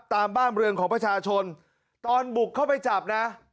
ตามบ้านเรือนของประชาชนตอนบุกเข้าไปจับนะ